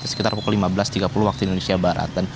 sekitar pukul lima belas tiga puluh waktu indonesia barat